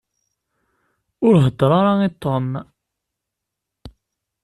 Ur heddeṛ ara i Tom.